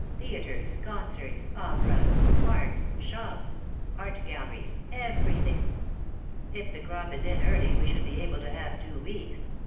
Theatres, concerts, operas, parks, shops, art galleries, everything. If the crop is in early, we should be able to have two weeks.